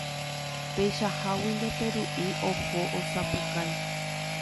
Peichaháguinte Peru'i oho ha osapukái.